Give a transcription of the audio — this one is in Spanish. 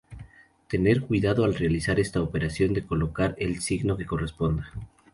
Tener cuidado al realizar esta operación de colocar el signo que corresponda.